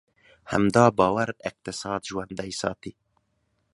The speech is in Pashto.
همدا باور اقتصاد ژوندی ساتي.